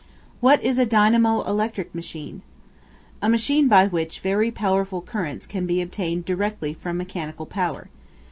What is a Dynamo electric machine? A machine by which very powerful currents can be obtained directly from mechanical power.